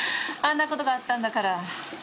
あんな事があったんだから。